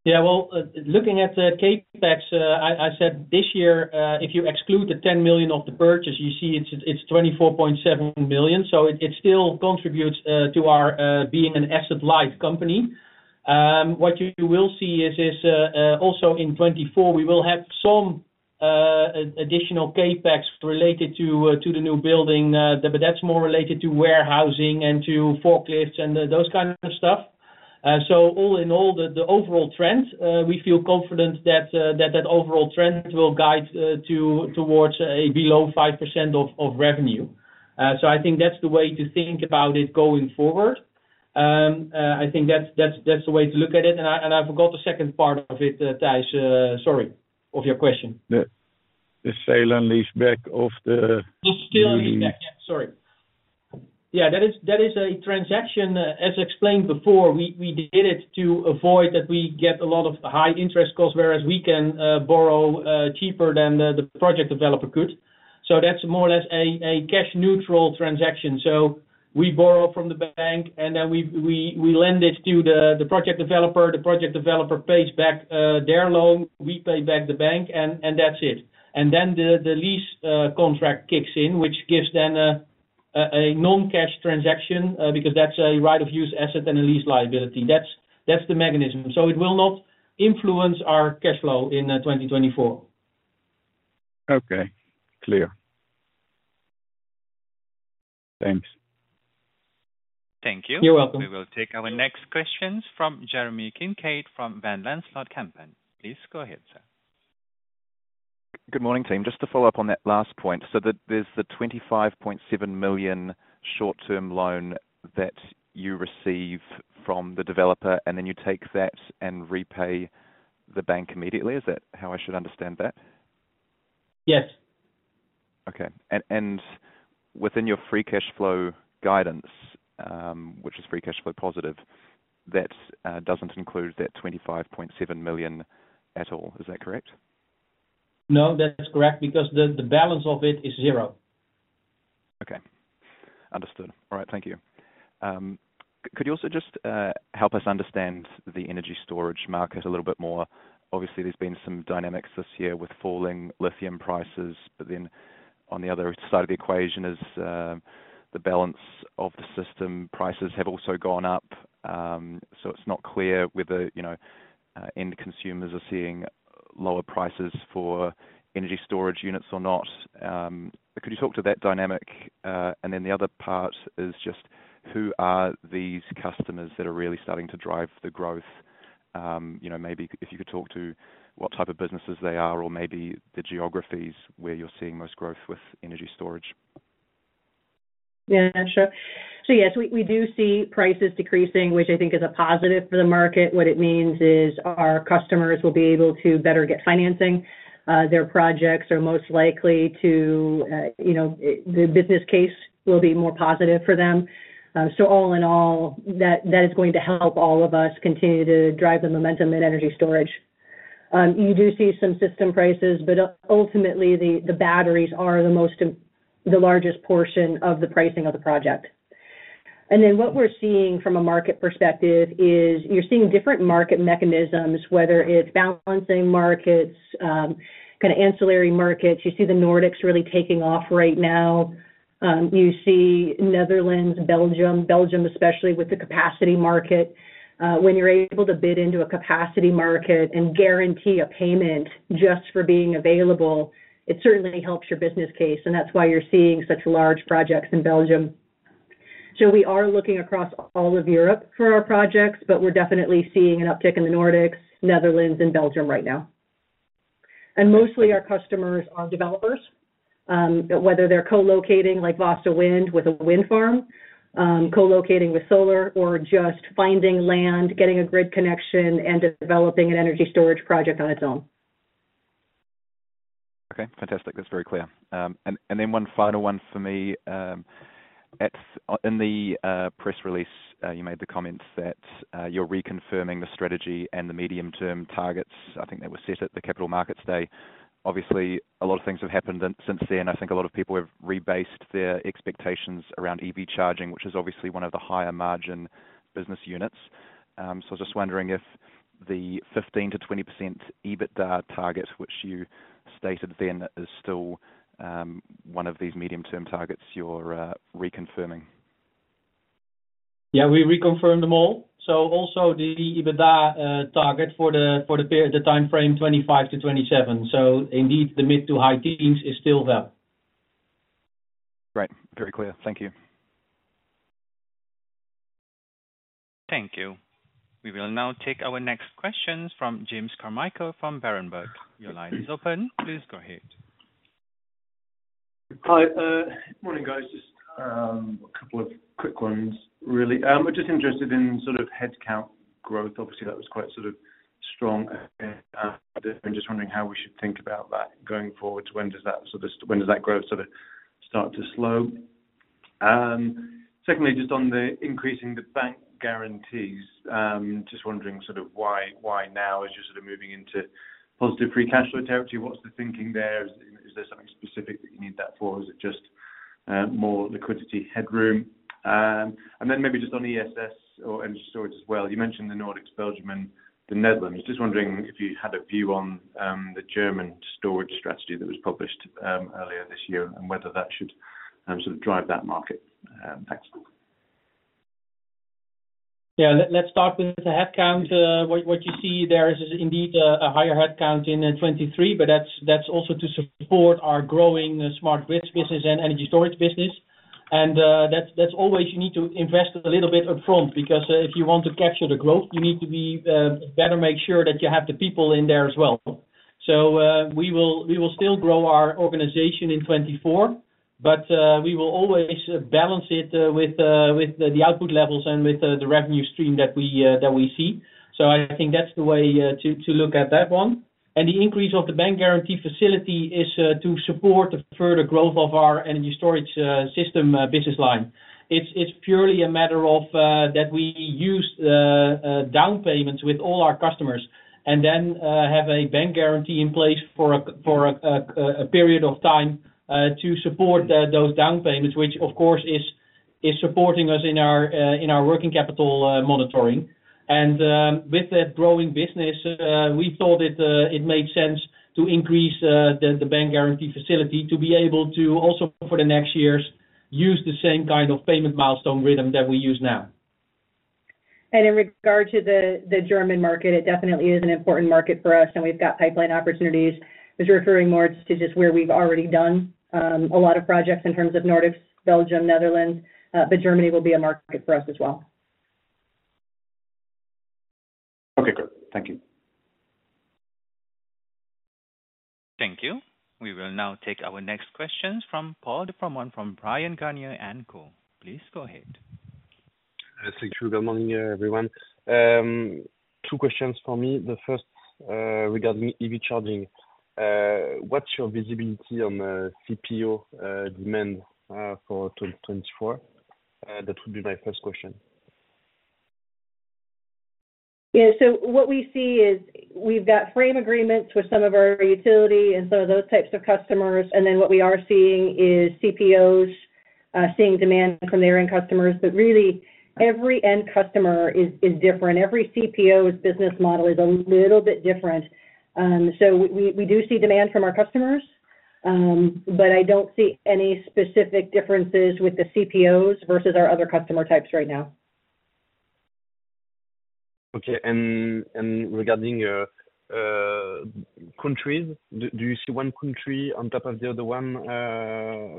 Yeah. Well, looking at CapEx, I said this year, if you exclude the 10 million of the purchase, you see it's 24.7 million. So it still contributes to our being an asset-light company. What you will see is also in 2024, we will have some additional CapEx related to the new building, but that's more related to warehousing and to forklifts and those kinds of stuff. So all in all, the overall trend, we feel confident that that overall trend will guide towards a below 5% of revenue. So I think that's the way to think about it going forward. I think that's the way to look at it. And I forgot the second part of it, Thijs, sorry, of your question. The sale and lease-back of the. The sale and lease-back. That is a transaction, as explained before, we did it to avoid that we get a lot of high interest costs, whereas we can borrow cheaper than the project developer could. So that's more or less a cash-neutral transaction. So we borrow from the bank, and then we lend it to the project developer. The project developer pays back their loan. We pay back the bank, and that's it. And then the lease contract kicks in, which gives then a non-cash transaction because that's a right-of-use asset and a lease liability. That's the mechanism. So it will not influence our cash flow in 2024. Okay. Clear. Thanks. Thank you. You're welcome. We will take our next questions from Jeremy Kincaid from Van Lanschot Kempen. Please go ahead, sir. Good morning, team. Just to follow up on that last point. So there's the 25.7 million short-term loan that you receive from the developer, and then you take that and repay the bank immediately. Is that how I should understand that? Yes. Okay. And within your free cash flow guidance, which is free cash flow positive, that doesn't include that 25.7 million at all. Is that correct? No. That's correct because the balance of it is zero. Okay. Understood. All right. Thank you. Could you also just help us understand the energy storage market a little bit more? Obviously, there's been some dynamics this year with falling lithium prices. But then on the other side of the equation is the balance of the system prices have also gone up. So it's not clear whether end consumers are seeing lower prices for energy storage units or not. Could you talk to that dynamic? And then the other part is just who are these customers that are really starting to drive the growth? Maybe if you could talk to what type of businesses they are or maybe the geographies where you're seeing most growth with energy storage. Yeah. Sure. So yes, we do see prices decreasing, which I think is a positive for the market. What it means is our customers will be able to better get financing. Their projects are most likely to the business case will be more positive for them. So all in all, that is going to help all of us continue to drive the momentum in energy storage. You do see some system prices, but ultimately, the batteries are the largest portion of the pricing of the project. And then what we're seeing from a market perspective is you're seeing different market mechanisms, whether it's balancing markets, kind of ancillary markets. You see the Nordics really taking off right now. You see Netherlands, Belgium, Belgium especially with the capacity market. When you're able to bid into a capacity market and guarantee a payment just for being available, it certainly helps your business case. And that's why you're seeing such large projects in Belgium. So we are looking across all of Europe for our projects, but we're definitely seeing an uptick in the Nordics, Netherlands, and Belgium right now. And mostly, our customers are developers, whether they're co-locating like Vasa Vind with a wind farm, co-locating with solar, or just finding land, getting a grid connection, and developing an energy storage project on its own. Okay. Fantastic. That's very clear. And then one final one for me. In the press release, you made the comments that you're reconfirming the strategy and the medium-term targets. I think they were set at the Capital Markets Day. Obviously, a lot of things have happened since then. I think a lot of people have rebased their expectations around EV charging, which is obviously one of the higher-margin business units. So I was just wondering if the 15%-20% EBITDA target, which you stated then, is still one of these medium-term targets you're reconfirming? Yeah. We reconfirmed them all. So also the EBITDA target for the timeframe 2025 to 2027. So indeed, the mid to high teens is still there. Great. Very clear. Thank you. Thank you. We will now take our next questions from James Carmichael from Berenberg. Your line is open. Please go ahead. Hi. Good morning, guys. Just a couple of quick ones, really. Just interested in sort of headcount growth. Obviously, that was quite sort of strong. And just wondering how we should think about that going forward. When does that sort of when does that growth sort of start to slow? Secondly, just on increasing the bank guarantees, just wondering sort of why now as you're sort of moving into positive free cash flow territory, what's the thinking there? Is there something specific that you need that for? Is it just more liquidity headroom? And then maybe just on ESS or energy storage as well. You mentioned the Nordics, Belgium, and the Netherlands. Just wondering if you had a view on the German storage strategy that was published earlier this year and whether that should sort of drive that market. Thanks. Yeah. Let's start with the headcount. What you see there is indeed a higher headcount in 2023, but that's also to support our growing smart grids business and energy storage business. And that's always you need to invest a little bit upfront because if you want to capture the growth, you need to better make sure that you have the people in there as well. So we will still grow our organization in 2024, but we will always balance it with the output levels and with the revenue stream that we see. So I think that's the way to look at that one. And the increase of the bank guarantee facility is to support the further growth of our energy storage system business line. It's purely a matter of that we use down payments with all our customers and then have a bank guarantee in place for a period of time to support those down payments, which, of course, is supporting us in our working capital monitoring. With that growing business, we thought it made sense to increase the bank guarantee facility to be able to also for the next years use the same kind of payment milestone rhythm that we use now. In regard to the German market, it definitely is an important market for us, and we've got pipeline opportunities. I was referring more to just where we've already done a lot of projects in terms of Nordics, Belgium, Netherlands, but Germany will be a market for us as well. Okay. Good. Thank you. Thank you. We will now take our next questions from Paul de Froment from Bryan Garnier & Co. Please go ahead. Good morning, everyone. Two questions for me. The first regarding EV charging. What's your visibility on CPO demand for 2024? That would be my first question. Yeah. So what we see is we've got frame agreements with some of our utility and some of those types of customers. And then what we are seeing is CPOs seeing demand from their end customers. But really, every end customer is different. Every CPO's business model is a little bit different. So we do see demand from our customers, but I don't see any specific differences with the CPOs versus our other customer types right now. Okay. Regarding countries, do you see one country on top of the other one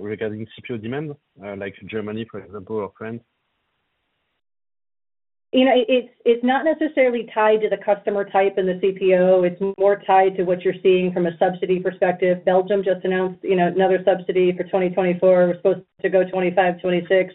regarding CPO demand like Germany, for example, or France? It's not necessarily tied to the customer type and the CPO. It's more tied to what you're seeing from a subsidy perspective. Belgium just announced another subsidy for 2024. It was supposed to go 2025, 2026.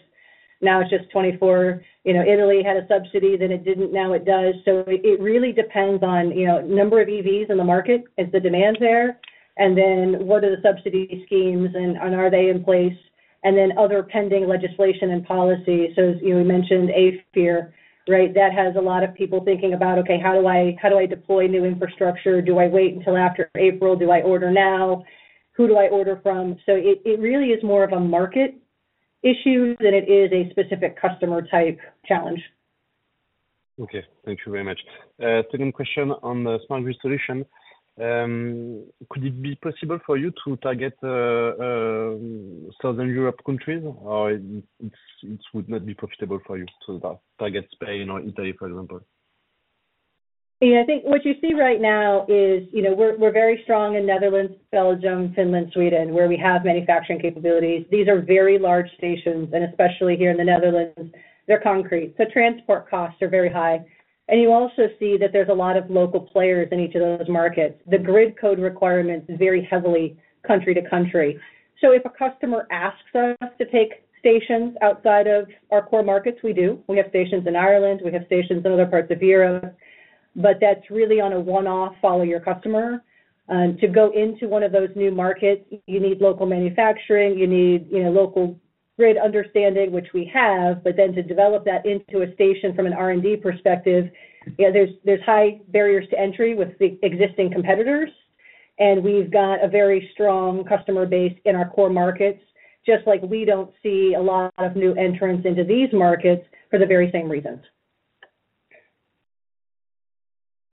Now it's just 2024. Italy had a subsidy. Then it didn't. Now it does. So it really depends on number of EVs in the market, is the demand there, and then what are the subsidy schemes, and are they in place, and then other pending legislation and policy. So we mentioned AFIR, right? That has a lot of people thinking about, "Okay. How do I deploy new infrastructure? Do I wait until after April? Do I order now? Who do I order from?" So it really is more of a market issue than it is a specific customer type challenge. Okay. Thank you very much. Second question on the Smart Grid Solutions. Could it be possible for you to target Southern Europe countries, or it would not be profitable for you to target Spain or Italy, for example? Yeah. I think what you see right now is we're very strong in Netherlands, Belgium, Finland, Sweden, where we have manufacturing capabilities. These are very large stations. And especially here in the Netherlands, they're concrete. So transport costs are very high. And you also see that there's a lot of local players in each of those markets. The grid code requirements vary very heavily country to country. So if a customer asks us to take stations outside of our core markets, we do. We have stations in Ireland. We have stations in other parts of Europe. But that's really on a one-off follow-your-customer. To go into one of those new markets, you need local manufacturing. You need local grid understanding, which we have. But then to develop that into a station from an R&D perspective, yeah, there's high barriers to entry with the existing competitors. We've got a very strong customer base in our core markets, just like we don't see a lot of new entrants into these markets for the very same reasons.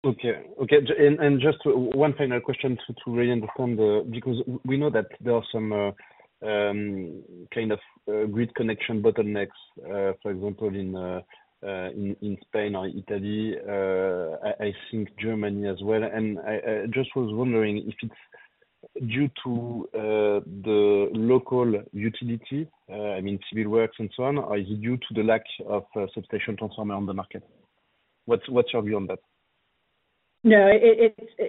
Okay. Okay. Just one final question to really understand because we know that there are some kind of grid connection bottlenecks, for example, in Spain or Italy. I think Germany as well. I just was wondering if it's due to the local utility, I mean, civil works and so on, or is it due to the lack of substation transformer on the market? What's your view on that? No.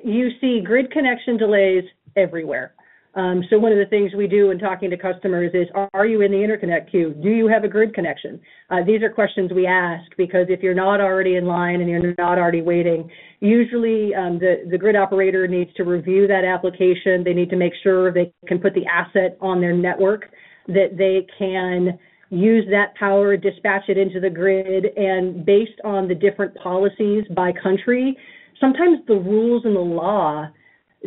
You see grid connection delays everywhere. So one of the things we do in talking to customers is, "Are you in the interconnect queue? Do you have a grid connection?" These are questions we ask because if you're not already in line and you're not already waiting, usually, the grid operator needs to review that application. They need to make sure they can put the asset on their network, that they can use that power, dispatch it into the grid. And based on the different policies by country, sometimes the rules and the law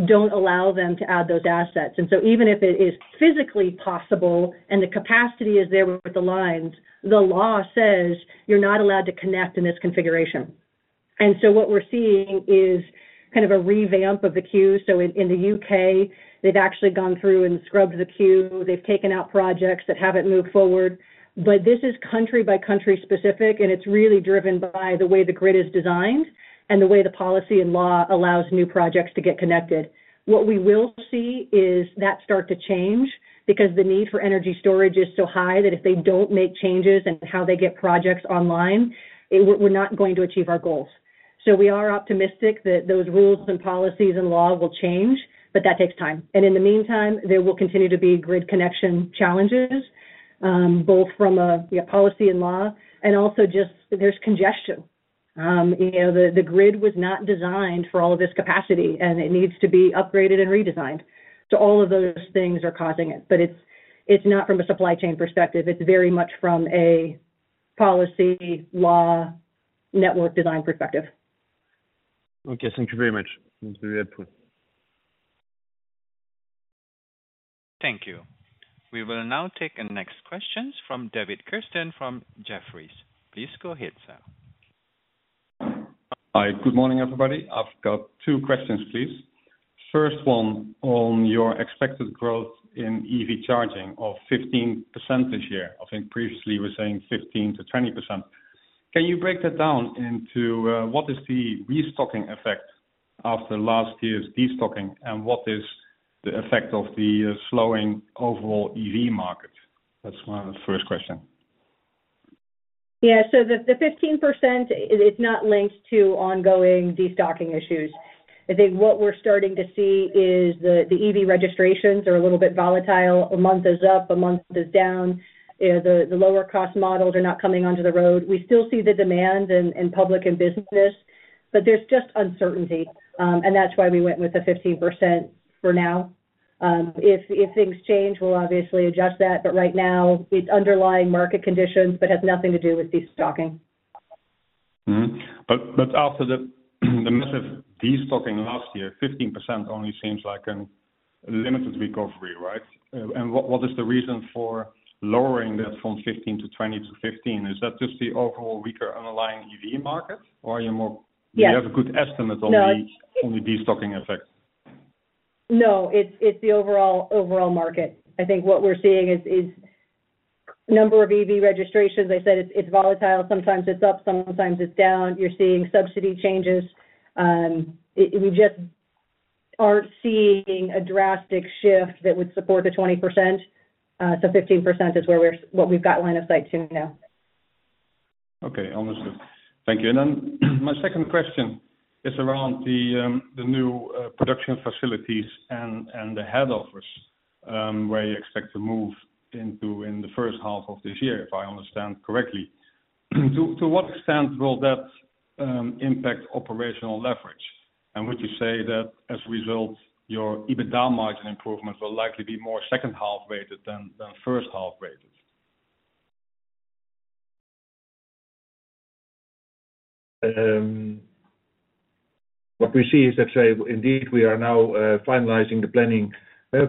don't allow them to add those assets. And so even if it is physically possible and the capacity is there with the lines, the law says, "You're not allowed to connect in this configuration." And so what we're seeing is kind of a revamp of the queue. In the U.K., they've actually gone through and scrubbed the queue. They've taken out projects that haven't moved forward. But this is country-by-country specific, and it's really driven by the way the grid is designed and the way the policy and law allows new projects to get connected. What we will see is that start to change because the need for energy storage is so high that if they don't make changes in how they get projects online, we're not going to achieve our goals. We are optimistic that those rules and policies and law will change, but that takes time. In the meantime, there will continue to be grid connection challenges both from a policy and law and also just there's congestion. The grid was not designed for all of this capacity, and it needs to be upgraded and redesigned. So all of those things are causing it. But it's not from a supply chain perspective. It's very much from a policy, law, network design perspective. Okay. Thank you very much. Thank you very helpful. Thank you. We will now take the next questions from David Kerstens from Jefferies. Please go ahead, sir. Hi. Good morning, everybody. I've got two questions, please. First one on your expected growth in EV charging of 15% this year. I think previously, we were saying 15%-20%. Can you break that down into what is the restocking effect after last year's destocking, and what is the effect of the slowing overall EV market? That's my first question. Yeah. So the 15%, it's not linked to ongoing destocking issues. I think what we're starting to see is the EV registrations are a little bit volatile. A month is up. A month is down. The lower-cost models are not coming onto the road. We still see the demand in public and business, but there's just uncertainty. And that's why we went with the 15% for now. If things change, we'll obviously adjust that. But right now, it's underlying market conditions but has nothing to do with destocking. But after the massive destocking last year, 15% only seems like a limited recovery, right? And what is the reason for lowering that from 15%-20% to 15%? Is that just the overall weaker underlying EV market, or are you more, do you have a good estimate on the destocking effect? No. It's the overall market. I think what we're seeing is number of EV registrations. I said it's volatile. Sometimes it's up. Sometimes it's down. You're seeing subsidy changes. We just aren't seeing a drastic shift that would support the 20%. So 15% is what we've got line of sight to now. Okay. Understood. Thank you. Then my second question is around the new production facilities and the head offices where you expect to move into in the first half of this year, if I understand correctly. To what extent will that impact operational leverage? And would you say that as a result, your EBITDA margin improvement will likely be more second-half weighted than first-half weighted? What we see is that, say, indeed, we are now finalizing the planning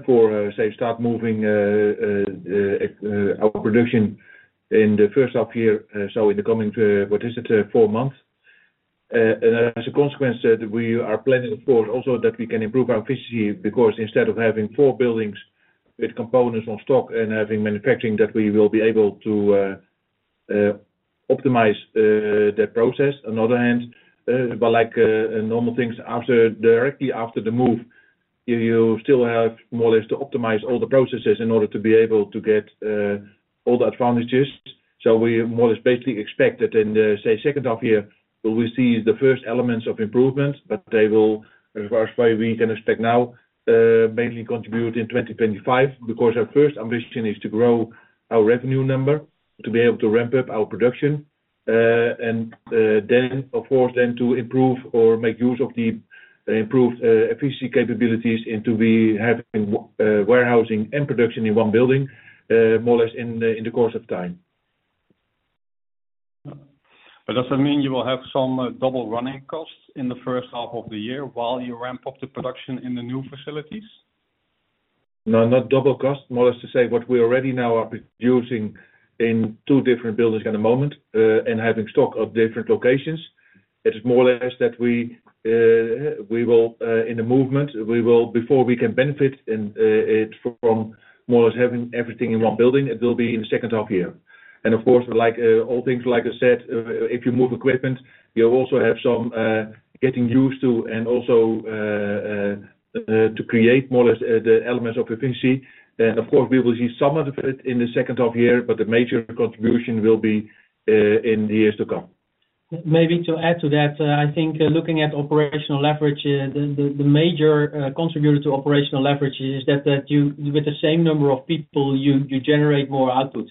for, say, start moving our production in the first half year, so in the coming what is it? 4 months. And as a consequence, we are planning, of course, also that we can improve our efficiency because instead of having 4 buildings with components on stock and having manufacturing, that we will be able to optimize that process. On the other hand, but like normal things, directly after the move, you still have more or less to optimize all the processes in order to be able to get all the advantages. So we more or less basically expect that in the, say, H2 year, we'll see the first elements of improvement, but they will, as far as we can expect now, mainly contribute in 2025 because our first ambition is to grow our revenue number, to be able to ramp up our production, and then, of course, then to improve or make use of the improved efficiency capabilities into having warehousing and production in one building, more or less in the course of time. Does that mean you will have some double-running costs in the first half of the year while you ramp up the production in the new facilities? No, not double costs. More or less, to say what we already now are producing in two different buildings at the moment and having stock at different locations. It is more or less that we will, in the movement, before we can benefit from more or less having everything in one building, it will be in the H2 year. Of course, all things, like I said, if you move equipment, you also have some getting used to and also to create more or less the elements of efficiency. Of course, we will see some of it in the H2 year, but the major contribution will be in the years to come. Maybe to add to that, I think looking at operational leverage, the major contributor to operational leverage is that with the same number of people, you generate more output.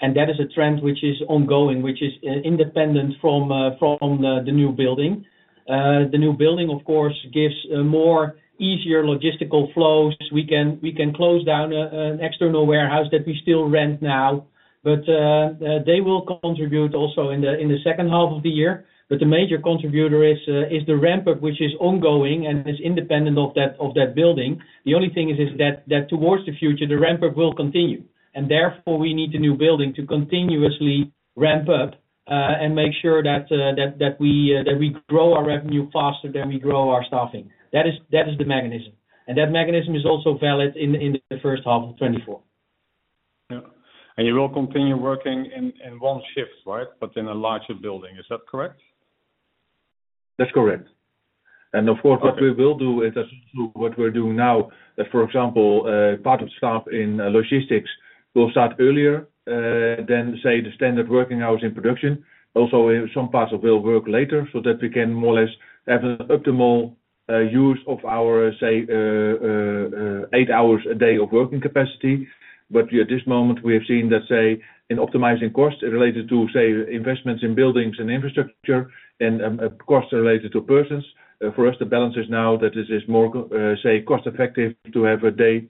And that is a trend which is ongoing, which is independent from the new building. The new building, of course, gives more easier logistical flows. We can close down an external warehouse that we still rent now, but they will contribute also in the H2 of the year. But the major contributor is the ramp-up, which is ongoing and is independent of that building. The only thing is that towards the future, the ramp-up will continue. And therefore, we need the new building to continuously ramp up and make sure that we grow our revenue faster than we grow our staffing. That is the mechanism. And that mechanism is also valid in the first half of 2024. Yeah. You will continue working in one shift, right, but in a larger building. Is that correct? That's correct. And of course, what we will do is what we're doing now, that, for example, part of staff in logistics will start earlier than, say, the standard working hours in production. Also, some parts will work later so that we can more or less have an optimal use of our, say, 8 hours a day of working capacity. But at this moment, we have seen that, say, in optimizing costs related to, say, investments in buildings and infrastructure and costs related to persons, for us, the balance is now that it is more, say, cost-effective to have a day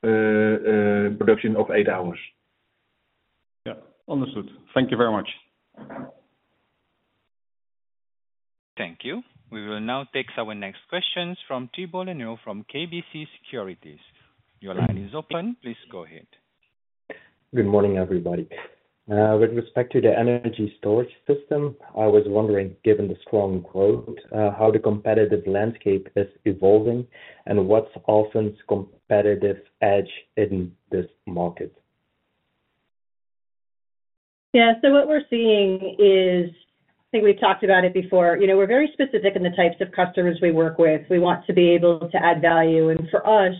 production of 8 hours. Yeah. Understood. Thank you very much. Thank you. We will now take our next questions from Thibault Leneeuw from KBC Securities. Your line is open. Please go ahead. Good morning, everybody. With respect to the energy storage system, I was wondering, given the strong quote, how the competitive landscape is evolving and what's Alfen's competitive edge in this market? Yeah. So what we're seeing is I think we've talked about it before. We're very specific in the types of customers we work with. We want to be able to add value. And for us,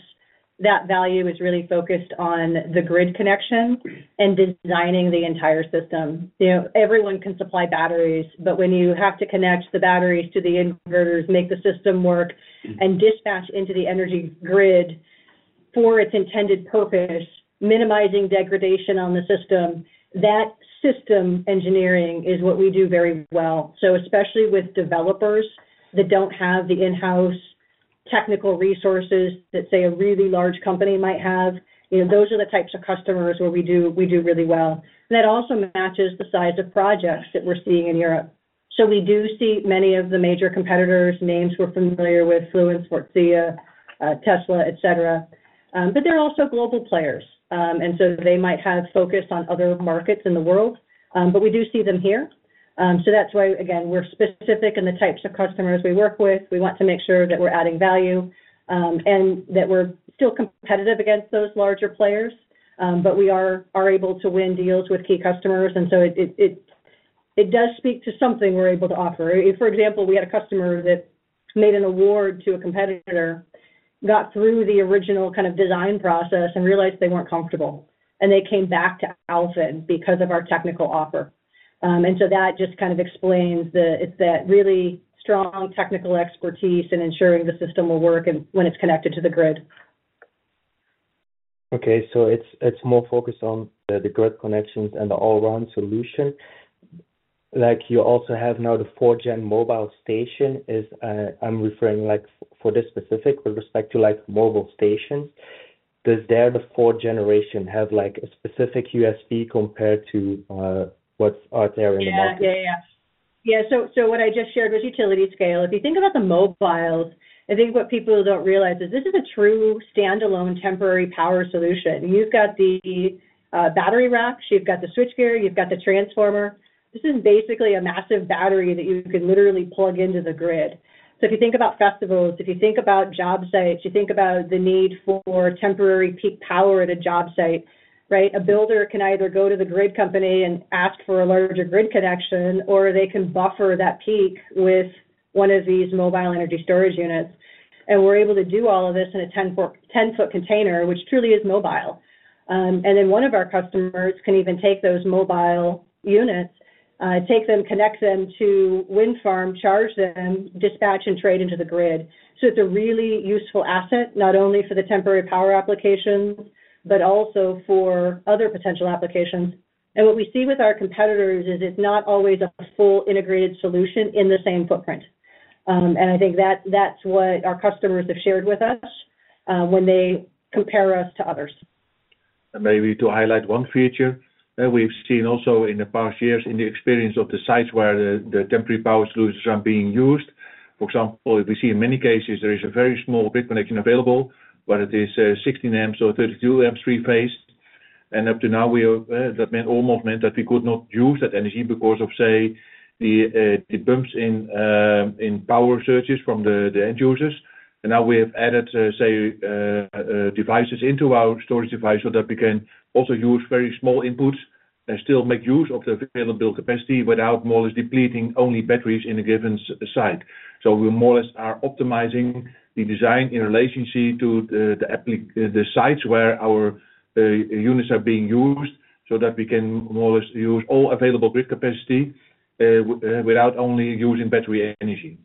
that value is really focused on the grid connection and designing the entire system. Everyone can supply batteries, but when you have to connect the batteries to the inverters, make the system work, and dispatch into the energy grid for its intended purpose, minimizing degradation on the system, that system engineering is what we do very well. So especially with developers that don't have the in-house technical resources that, say, a really large company might have, those are the types of customers where we do really well. And that also matches the size of projects that we're seeing in Europe. So we do see many of the major competitors' names. We're familiar with Fluence, Wärtsilä, Tesla, etc. But they're also global players. And so they might have focus on other markets in the world, but we do see them here. So that's why, again, we're specific in the types of customers we work with. We want to make sure that we're adding value and that we're still competitive against those larger players, but we are able to win deals with key customers. And so it does speak to something we're able to offer. For example, we had a customer that made an award to a competitor, got through the original kind of design process, and realized they weren't comfortable, and they came back to Alfen because of our technical offer. And so that just kind of explains that it's that really strong technical expertise in ensuring the system will work when it's connected to the grid. Okay. So it's more focused on the grid connections and the all-round solution. You also have now the 4th Gen mobile station. I'm referring for this specific with respect to mobile stations. Does there, the 4th generation, have a specific USP compared to what's out there in the market? Yeah. Yeah. Yeah. Yeah. So what I just shared was utility scale. If you think about the mobiles, I think what people don't realize is this is a true standalone temporary power solution. You've got the battery racks. You've got the switchgear. You've got the transformer. This is basically a massive battery that you can literally plug into the grid. So if you think about festivals, if you think about job sites, you think about the need for temporary peak power at a job site, right? A builder can either go to the grid company and ask for a larger grid connection, or they can buffer that peak with one of these mobile energy storage units. And we're able to do all of this in a 10-foot container, which truly is mobile. And then one of our customers can even take those mobile units, take them, connect them to wind farm, charge them, dispatch, and trade into the grid. So it's a really useful asset, not only for the temporary power applications but also for other potential applications. And what we see with our competitors is it's not always a full integrated solution in the same footprint. And I think that's what our customers have shared with us when they compare us to others. Maybe to highlight one feature that we've seen also in the past years in the experience of the sites where the temporary power solutions are being used. For example, if we see in many cases, there is a very small grid connection available, but it is 16 amps or 32 amps, three-phase. Up to now, that almost meant that we could not use that energy because of, say, the bumps in power surges from the end users. Now we have added, say, devices into our storage device so that we can also use very small inputs and still make use of the available capacity without more or less depleting only batteries in a given site. We more or less are optimizing the design in relationship to the sites where our units are being used so that we can more or less use all available grid capacity without only using battery energy.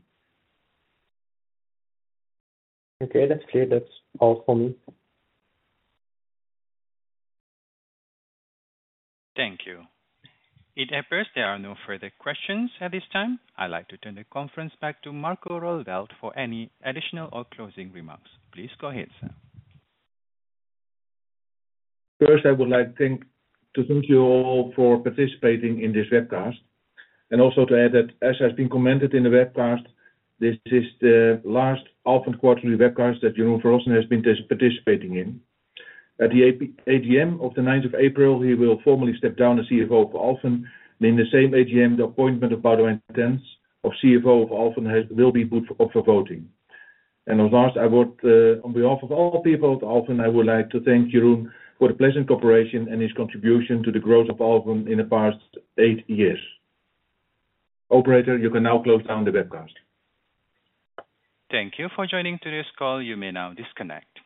Okay. That's clear. That's all for me. Thank you. It appears there are no further questions at this time. I'd like to turn the conference back to Marco Roeleveld for any additional or closing remarks. Please go ahead, sir. First, I would like to thank you all for participating in this webcast. Also to add that, as has been commented in the webcast, this is the last Alfen quarterly webcast that Jeroen van Rossen has been participating in. At the AGM of the 9th of April, he will formally step down as CFO for Alfen. In the same AGM, the appointment of Boudewijn Tans as CFO of Alfen will be put up for voting. Lastly, I would, on behalf of all people at Alfen, like to thank Jeroen for the pleasant cooperation and his contribution to the growth of Alfen in the past eight years. Operator, you can now close down the webcast. Thank you for joining today's call. You may now disconnect.